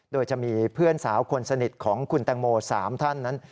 โดยจะมีเพื่อนสาวคนสนิทของคุณแตงโม๓ท่านนั้น